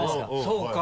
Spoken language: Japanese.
そうか。